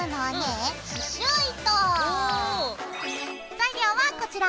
材料はこちら。